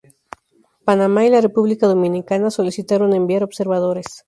Panamá y la República Dominicana solicitaron enviar observadores.